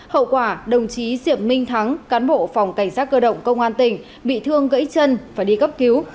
hậu quả đồng chí diệp minh thắng cán bộ phòng cảnh sát cơ động công an tỉnh bị thương gãy chân và đi cấp cứu